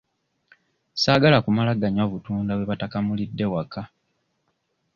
Saagala kumala ganywa butunda bwe batakamulidde waka.